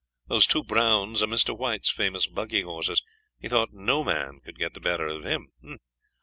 Those two browns are Mr. White's famous buggy horses. He thought no man could get the better of him.